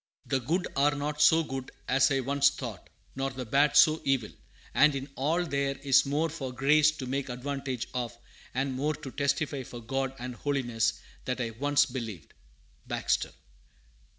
["The good are not so good as I once thought, nor the bad so evil, and in all there is more for grace to make advantage of, and more to testify for God and holiness, than I once believed." Baxter.